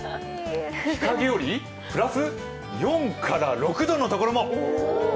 日陰よりプラス４から６度のところも。